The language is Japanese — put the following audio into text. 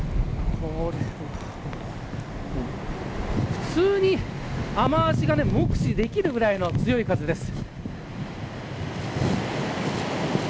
普通に雨脚が目視できるくらいの強い風です。